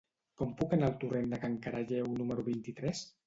Com puc anar al torrent de Can Caralleu número vint-i-tres?